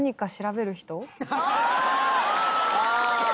ああ。